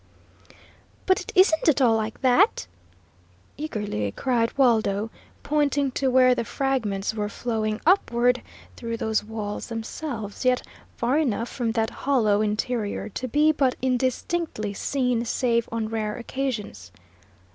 "But it isn't at all like that," eagerly cried Waldo, pointing to where the fragments were flowing upward through those walls themselves, yet far enough from that hollow interior to be but indistinctly seen save on rare occasions.